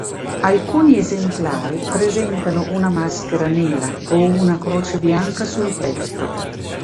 Alcuni esemplari presentano una maschera nera o una croce bianca sul petto.